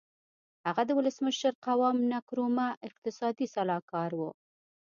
هغه د ولسمشر قوام نکرومه اقتصادي سلاکار و.